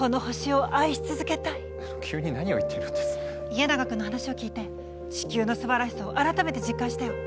家長君の話を聞いて地球のすばらしさを改めて実感したよ。